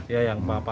ya yang apa